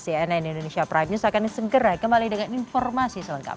cnn indonesia prime news akan segera kembali dengan informasi selengkap